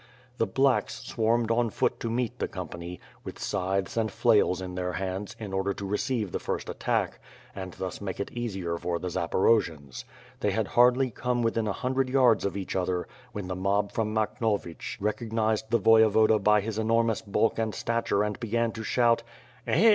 The "blacks" swarmed on foot to meet the company, with scythes and flails in their hands in order to receive the first attack, and thus make it easier for the Zaporojians. They had hardly come within a hundred yards of each other when the mob from Makhnovich recog nized the Voyevoda by his enormous bulk and stature and began to shout: "Eh!